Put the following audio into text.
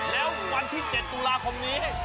แล้ววันที่๗ตุลาคมนี้